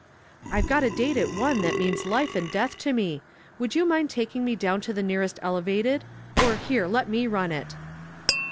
"I've got a date at one that means life and death to me. Would you mind taking me down to the nearest Elevated or here, let me run it."